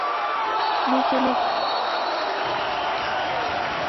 No sólo el primer plano es extraño por este motivo.